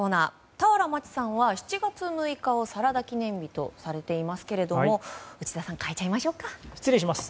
俵万智さんは７月６日をサラダ記念日とされていますけれども内田さん変えちゃいましょうか。